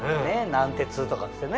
軟鉄とかっつってね。